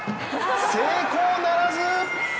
成功ならず！